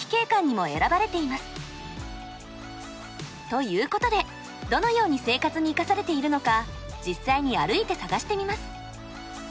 ということでどのように生活に生かされているのか実際に歩いて探してみます。